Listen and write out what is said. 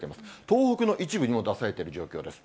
東北の一部にも出されている状況です。